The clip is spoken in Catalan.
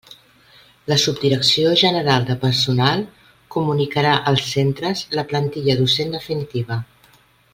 La Subdirecció General de Personal comunicarà als centres la plantilla docent definitiva.